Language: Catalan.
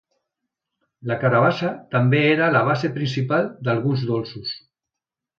La carabassa també era la base principal d’alguns dolços.